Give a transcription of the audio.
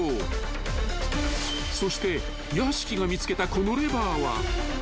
［そして屋敷が見つけたこのレバーは］